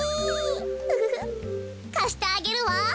ウフフかしてあげるわ。